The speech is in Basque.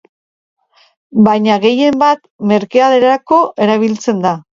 Baina, gehienbat, merkea delako erabiltzen da.